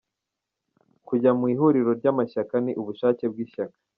Kujya mu ihuriro ry’amashyaka ni ubushake bw’ishyaka